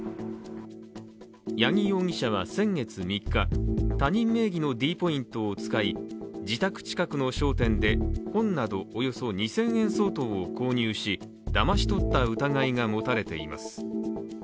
八木容疑者は先月３日、他人名義のｄポイントを使い自宅近くの商店で本などおよそ２０００円相当を購入しだまし取った疑いが持たれています。